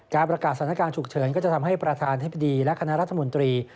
ประกาศสถานการณ์ฉุกเฉินก็จะทำให้ประธานธิบดีและคณะรัฐมนตรี